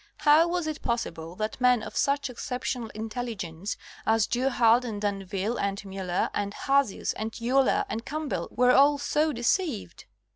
How was it possible that men of such exceptional intelligence as Du Halde and D'Anville and Miiller, and Hazius, and Euler and Campbell were all so deceived